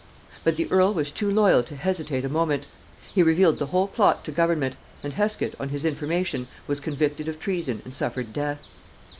But the earl was too loyal to hesitate a moment. He revealed the whole plot to government, and Hesket on his information was convicted of treason and suffered death.